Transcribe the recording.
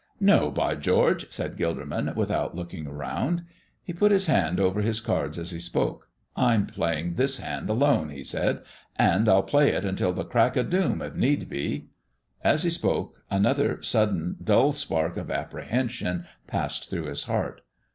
"No, by George!" said Gilderman, without looking around. He put his hand over his cards as he spoke. "I'm playing this hand alone," he said, "and I'll play it till the crack of doom, if need be." As he spoke another sudden, dull spark of apprehension passed through his heart.